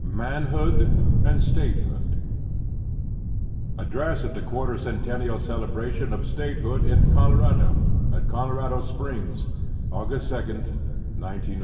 MANHOOD AND STATEHOOD Address at the Quarter Centennial Celebration ov Statehood in Colorado, at Colorado Springs, August 2, igoz 33X CHAPTER XV.